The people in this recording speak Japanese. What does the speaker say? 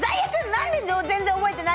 全然覚えてない。